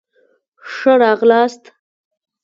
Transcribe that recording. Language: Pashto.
ښه را غلاست